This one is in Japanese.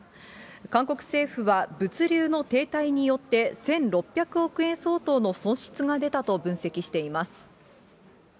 韓国政府は、物流の停滞によって、１６００億円相当の損失が出たと分析しています。